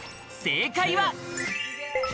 正解は。